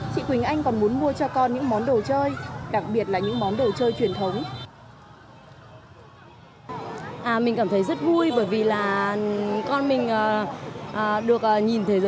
chị quỳnh anh còn muốn mua cho con những món đồ chơi đặc biệt là những món đồ chơi truyền thống